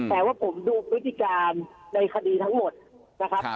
แต่ว่าผมดูพฤติการในคดีทั้งหมดนะครับ